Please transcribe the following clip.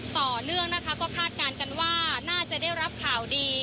ต่อเนื่องนะคะก็คาดการณ์กันว่าน่าจะได้รับข่าวดี